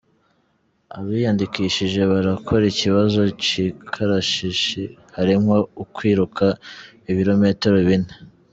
Abiyandikishije barakora ikibazo c'ikarashishi harimwo ukwiruka ibirometero bine.